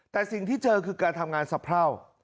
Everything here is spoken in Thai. แต่สิ่งที่เจอคือการทำงานสะเพรา